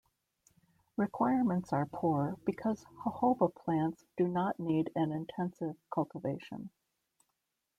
Requirements are poor because jojoba plants do not need an intensive cultivation.